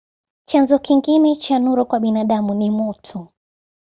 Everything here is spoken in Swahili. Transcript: Chanzo kingine cha nuru kwa binadamu ni moto.